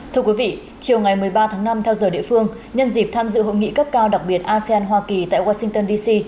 thưa quý vị chiều ngày một mươi ba tháng năm theo giờ địa phương nhân dịp tham dự hội nghị cấp cao đặc biệt asean hoa kỳ tại washington d c